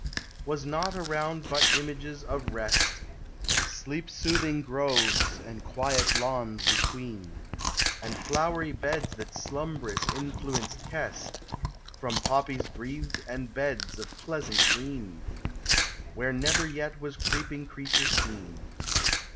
Was naught around but images of rest : Sleep soothing groves, and quiet lawns between ; And flowery beds that slumbrous influence kest, From poppies breathed ; and beds of pleasant green, Where never yet was creeping creature seen.